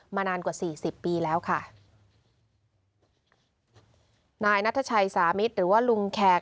นานกว่าสี่สิบปีแล้วค่ะนายนัทชัยสามิตรหรือว่าลุงแขก